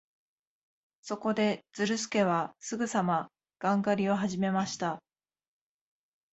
そこで、ズルスケはすぐさまガン狩りをはじめました。